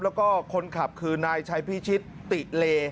แล้วก็คนขับคือนายชัยพิชิตติเล